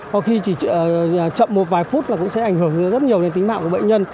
có khi chỉ chậm một vài phút là cũng sẽ ảnh hưởng rất nhiều đến tính mạng của bệnh nhân